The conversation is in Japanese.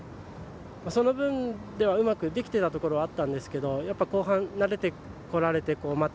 その分ではうまくできていたところがあったんですけど後半、慣れてこられてまた